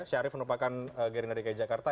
syarif merupakan gerindra dki jakarta